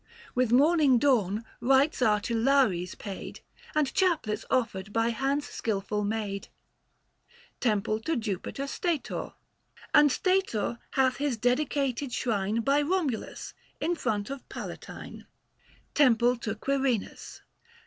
With morning dawn rites are to Lares paid, And chaplets offered by hands skilful made. 955 TEMPLE TO JUPITER STATOR. And Stator hath his dedicated shrine By Romulus, in front of Palatine. IV. KAL. JUL. TEMPLE TO QUIRINUS.